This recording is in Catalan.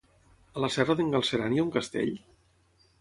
A la Serra d'en Galceran hi ha un castell?